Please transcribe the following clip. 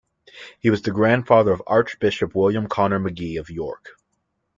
He was the grandfather of Archbishop William Connor Magee of York.